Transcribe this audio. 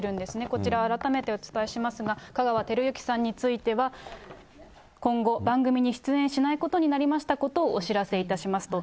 こちら、改めてお伝えしますが、香川照之さんについては、今後、番組に出演しないこととなりましたことをお知らせいたしますと。